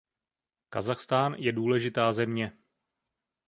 Kazachstán je důležitá země.